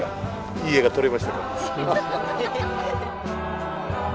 いい絵が撮れましたか。